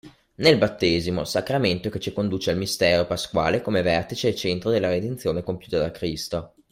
Nel battesimo, sacramento che ci conduce al mistero pasquale come vertice e centro della redenzione compiuta da Cristo.